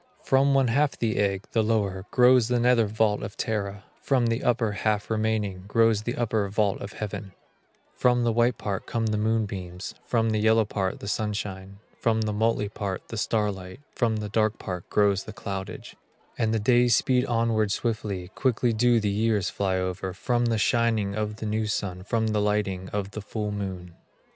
From one half the egg, the lower, Grows the nether vault of Terra: From the upper half remaining, Grows the upper vault of Heaven; From the white part come the moonbeams, From the yellow part the sunshine, From the motley part the starlight, From the dark part grows the cloudage; And the days speed onward swiftly, Quickly do the years fly over, From the shining of the new sun From the lighting of the full moon.